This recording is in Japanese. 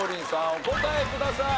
お答えください。